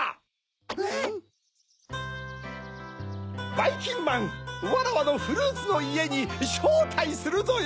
ばいきんまんわらわのフルーツのいえにしょうたいするぞよ！